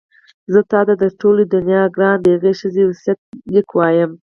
زه تا ته تر ټولې دنیا ګرانه د هغې ښځې وصیت لیک وایم.